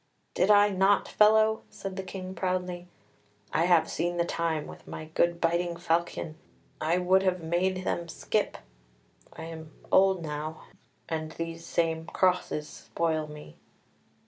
"Did I not, fellow?" said the King proudly. "I have seen the time, with my good biting falchion, I would have made them skip. I am old now, and these same crosses spoil me.